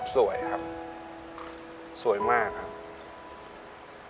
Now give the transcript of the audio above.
สวยครับสวยมากครับ